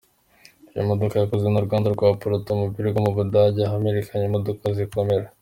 Iyi modoka yakozwe n’uruganda rwa Apollo Automobile rwo mu Budage ahamenyerewe imodoka zikomera.